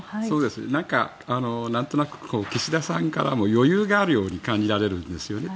なんかなんとなく岸田さんからも余裕があるように感じられるんですよね。